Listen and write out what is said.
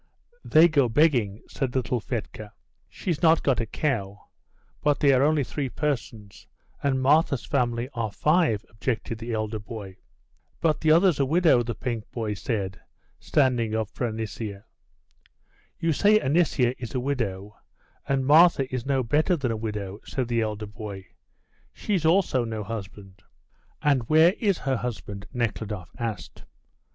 They go begging," said little Fedka. "She's not got a cow, but they are only three persons, and Martha's family are five," objected the elder boy. "But the other's a widow," the pink boy said, standing up for Anisia. "You say Anisia is a widow, and Martha is no better than a widow," said the elder boy; "she's also no husband." "And where is her husband?" Nekhludoff asked.